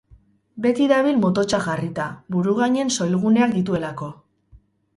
Beti dabil mototsa jarrita, burugainen soilguneak dituelako.